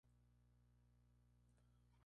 Nació en Oklahoma en una familia militar.